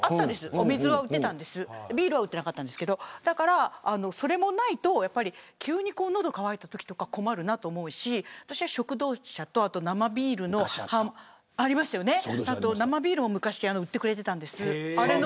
お水は売っていて、ビールは売ってなかったんですけどそれもないと急に喉が渇いたときとか困るなと思うし、私は食堂車と生ビールも昔売ってくれてたんです。